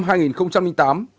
bà phạm thị hương có đưa cho